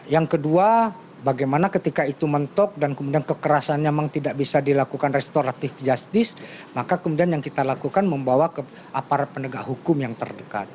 yang kedua bagaimana ketika itu mentok dan kemudian kekerasannya memang tidak bisa dilakukan restoratif justice maka kemudian yang kita lakukan membawa ke aparat penegak hukum yang terdekat